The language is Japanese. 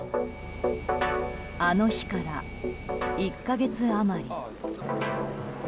あの日から、１か月余り。